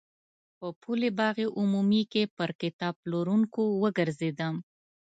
په پل باغ عمومي کې پر کتاب پلورونکو وګرځېدم.